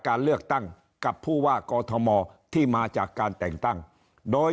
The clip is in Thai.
การเลือกตั้งกับผู้ว่ากอทมที่มาจากการแต่งตั้งโดย